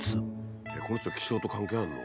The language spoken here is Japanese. えっこの人気象と関係あるの？